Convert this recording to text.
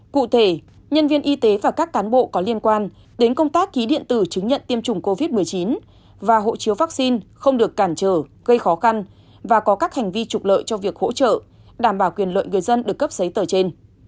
cụ thể nhân viên y tế và các cán bộ có liên quan đến công tác ký điện tử chứng nhận tiêm chủng covid một mươi chín và hộ chiếu vaccine không được cản trở gây khó khăn và có các hành vi trục lợi cho việc hỗ trợ đảm bảo quyền lợi người dân được cấp giấy tờ trên